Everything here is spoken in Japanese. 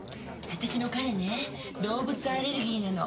私の彼ね動物アレルギーなの。